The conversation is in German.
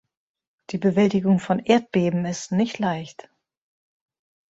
Die Bewältigung von Erdbeben ist nicht leicht.